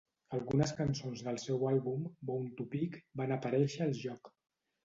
Algunes cançons del seu àlbum, "Bone to Pick", van aparèixer al joc.